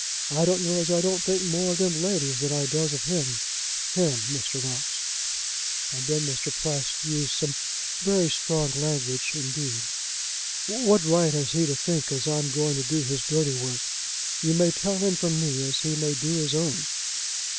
I don't know as I don't think more of them ladies than I does of him. him, Mr. Knox." And then Mr. Price used some very strong language indeed. "What right has he to think as I'm going to do his dirty work? You may tell him from me as he may do his own."